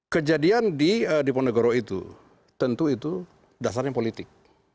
kejadian di ponegoro itu tentu itu dasarnya politik